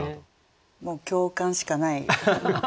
もう共感しかない。